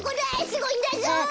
すごいんだぞ！